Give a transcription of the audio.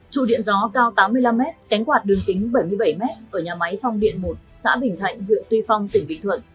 trụ điện gió cao tám mươi năm m cánh quạt đường kính bảy mươi bảy m ở nhà máy phong điện một xã bình thạnh huyện tuy phong tỉnh bình thuận